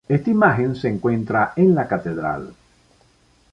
Esta imagen se encuentra en la catedral.